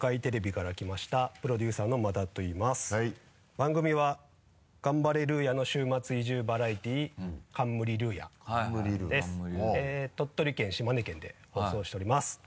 番組は「ガンバレルーヤの週末移住バラエティ冠ルーヤ」「冠ルーヤ」はいはい「冠ルーヤ」鳥取県島根県で放送しております。